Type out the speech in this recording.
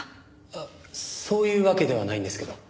あっそういうわけではないんですけど。